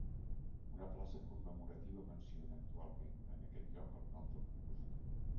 Una plaça commemorativa menciona actualment en aquest lloc el nom del compositor.